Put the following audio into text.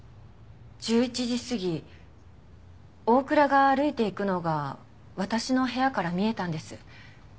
１１時過ぎ大倉が歩いていくのが私の部屋から見えたんです。